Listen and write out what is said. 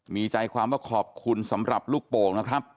มีใจความว่าขอบคุณสำหรับลูกโป่งนะครับ